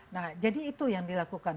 nah jadi itu yang dilakukan